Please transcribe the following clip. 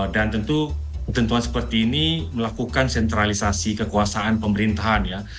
dan tentu tentuan seperti ini melakukan sentralisasi kekuasaan pemerintahan ya